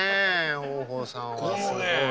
豊豊さんはすごい。